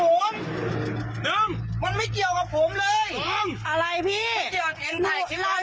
นึงมันไม่เกี่ยวกับผมเลยนึงอะไรพี่ไม่เกี่ยวกับแทน